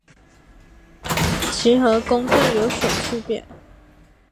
其和公吨有所区别。